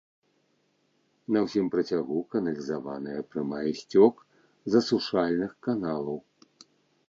На ўсім працягу каналізаваная, прымае сцёк з асушальных каналаў.